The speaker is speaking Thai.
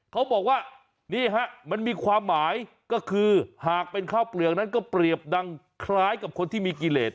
เขาบอกว่านี่ฮะมันมีความหมายก็คือหากเป็นข้าวเปลือกนั้นก็เปรียบดังคล้ายกับคนที่มีกิเลส